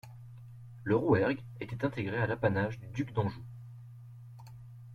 Le Rouergue était intégré à l'apanage du duc d'Anjou.